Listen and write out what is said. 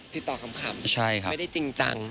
ติดต่อกลำคำไม่ได้จริงจัง